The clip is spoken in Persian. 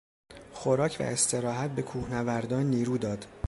خوراک و استراحت به کوهنوردان نیرو داد.